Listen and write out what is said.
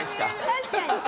確かに。